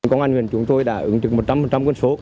công an huyện chúng tôi đã ứng trực một trăm linh quân số